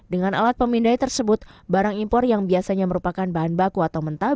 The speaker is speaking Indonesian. dengan alat pemindai tersebut barang impor yang biasanya merupakan bahan baku atau mentah